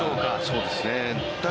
そうですね。